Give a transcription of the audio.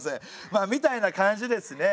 まあみたいな感じですね。